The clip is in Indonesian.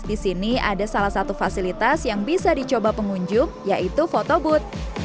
di sini ada salah satu fasilitas yang bisa dicoba pengunjung yaitu photobooth